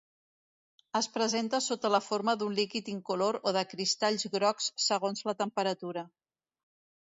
Es presenta sota la forma d'un líquid incolor o de cristalls grocs segons la temperatura.